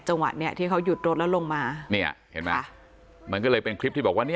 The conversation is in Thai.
จังหวะนี้ที่เขาหยุดรถแล้วลงมามันก็เลยเป็นคลิปที่บอกว่า